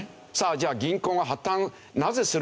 じゃあ銀行が破たんなぜするのか？